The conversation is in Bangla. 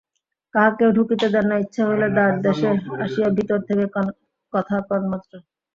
কাহাকেও ঢুকিতে দেন না, ইচ্ছা হইলে দ্বারদেশে আসিয়া ভিতর থেকে কথা কন মাত্র।